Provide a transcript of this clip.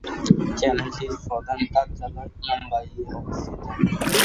চ্যানেলটির প্রধান কার্যালয়, মুম্বইতে অবস্থিত।